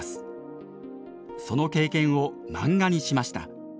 その経験を漫画にしました。